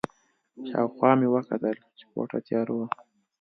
شا او خوا مې وکتل چې کوټه تیاره وه.